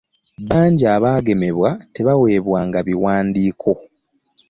Bangi abaagemebwa tebaawebwanga biwandiiko.